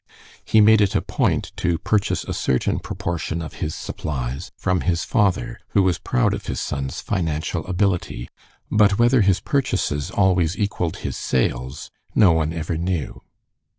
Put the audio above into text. He made it a point to purchase a certain proportion of his supplies from his father, who was proud of his son's financial ability, but whether his purchases always equaled his sales no one ever knew.